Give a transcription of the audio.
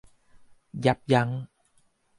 ยับยั้ง